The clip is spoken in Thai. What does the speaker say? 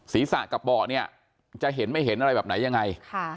ศีรษะกับเบาะเนี่ยจะเห็นไม่เห็นอะไรแบบไหนยังไง